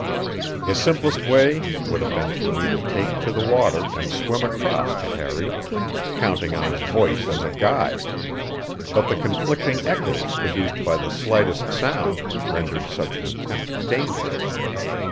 The simplest way would have been for me to take to the water and swim across to Harry, counting on his voice as a guide; but the conflicting echoes produced by the slightest sound rendered such an attempt dangerous.